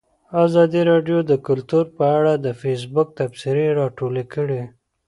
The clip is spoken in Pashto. ازادي راډیو د کلتور په اړه د فیسبوک تبصرې راټولې کړي.